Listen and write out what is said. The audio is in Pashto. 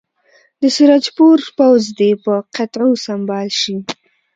د سراج پور پوځ دې په قطعو سمبال شي.